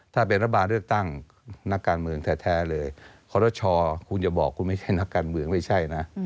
ถ้าเป็นรัฐบาลเลือกตั้งนักการเมืองแท้เลยขอรชคุณจะบอกคุณไม่ใช่นักการเมืองไม่ใช่นะ